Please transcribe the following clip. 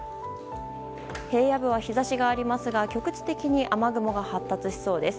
平野部は日差しがありますが局地的に雨雲が発達しそうです。